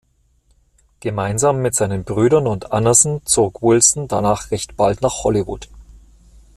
Gemeinsam mit seinen Brüdern und Anderson zog Wilson danach recht bald nach Hollywood.